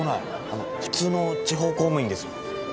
あの普通の地方公務員です。